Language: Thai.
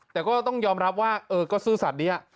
แต่ก็ต้องยอมรับว่าเออก็ซื่อสัตว์นี้